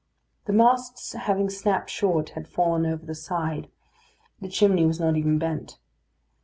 The masts having snapped short, had fallen over the side; the chimney was not even bent.